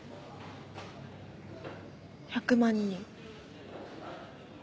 １００万人。